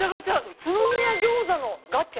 宇都宮餃子のガチャ？